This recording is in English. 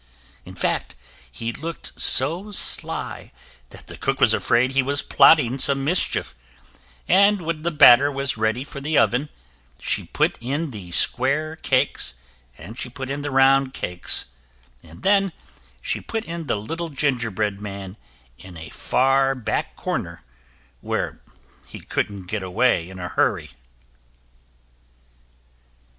In fact, he looked so sly that the cook was afraid he was plotting some mischief, and when the batter was ready for the oven, she put in the square cakes and she put in the round cakes; and then she put in the little gingerbread man in a far back corner, where he couldn't get away in a hurry.